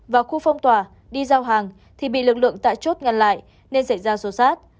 vào khu phong tỏa đi giao hàng thì bị lực lượng tại chốt ngăn lại nên xảy ra xô xát